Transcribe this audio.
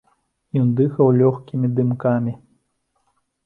Ён дыхаў лёгкімі дымкамі.